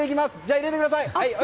入れてください。